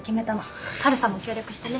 ハルさんも協力してね。